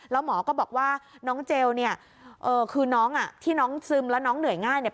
แล้วหมอก็บอกว่าน้องเจลเนี่ยคือน้องอ่ะที่น้องซึมแล้วน้องเหนื่อยง่ายเนี่ย